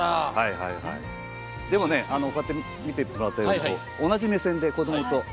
でも、こうやって見てもらうと同じ目線で子どもと。